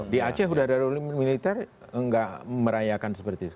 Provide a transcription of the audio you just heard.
di aceh sudah darurat militer tidak merayakan seperti itu